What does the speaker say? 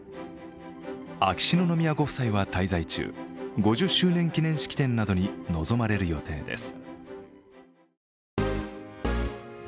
秋篠宮ご夫妻は滞在中、５０周年記念式典などに臨まれる予定です。